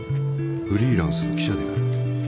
フリーランスの記者である。